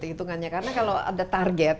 hitungannya karena kalau ada target